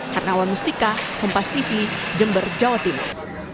hernawan mustika kompas tv jember jawa timur